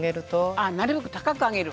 あっなるべく高く上げる。